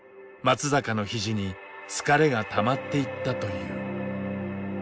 松坂の肘に疲れがたまっていったという。